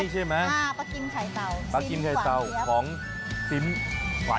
เขาคราบหายมาตั้งแต่รุ่นพ่อเขา